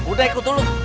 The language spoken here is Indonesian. udah ikut dulu